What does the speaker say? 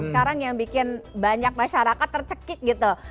sekarang yang bikin banyak masyarakat tercekik gitu